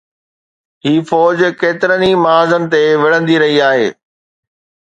هي فوج ڪيترن ئي محاذن تي وڙهندي رهي آهي.